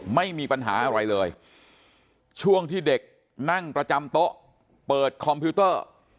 ไม่มีปัญหาอะไรเลยช่วงที่เด็กนั่งประจำโต๊ะเปิดคอมพิวเตอร์